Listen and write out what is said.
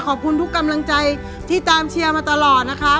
ขอบคุณทุกกำลังใจที่ตามเชียร์มาตลอดนะคะ